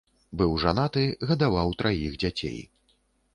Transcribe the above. Быў жанаты, гадаваў траіх дзяцей.